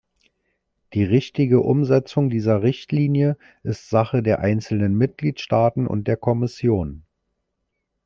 Die richtige Umsetzung dieser Richtlinie ist Sache der einzelnen Mitgliedstaaten und der Kommission.